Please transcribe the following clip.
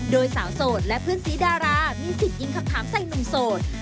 โดยสาวโสดและเพื่อนสีดารามีสิทธิ์ยิงคำถามใส่หนุ่มโสด